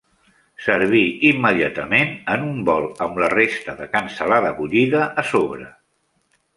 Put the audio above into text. Servir immediatament en un bol amb la resta de cansalada bullida a sobre.